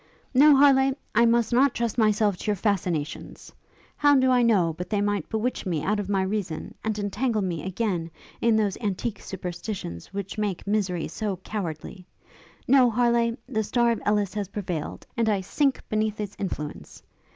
'No, Harleigh; I must not trust myself to your fascinations! How do I know but they might bewitch me out of my reason, and entangle me, again, in those antique superstitions which make misery so cowardly? No, Harleigh! the star of Ellis has prevailed, and I sink beneath its influence.